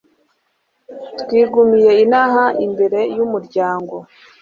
twigumiye inaha imbere y’umuryango